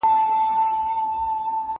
زه هره ورځ تمرين کوم!